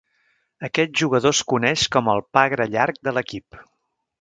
Aquest jugador es coneix com el pagre llarg de l"equip.